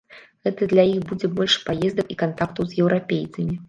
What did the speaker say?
Гэта для іх будзе больш паездак і кантактаў з еўрапейцамі.